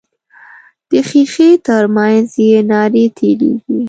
د ښیښې تر منځ یې نارې تیریږي.